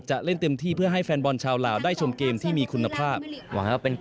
เล่นเต็มที่เพื่อให้แฟนบอลชาวลาวได้ชมเกมที่มีคุณภาพ